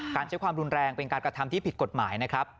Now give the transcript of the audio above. ใช้ความรุนแรงเป็นการกระทำที่ผิดกฎหมายนะครับ